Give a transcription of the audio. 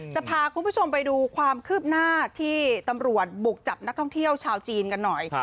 จะพาคุณผู้ชมไปดูความคืบหน้าที่ตำรวจบุกจับนักท่องเที่ยวชาวจีนกันหน่อย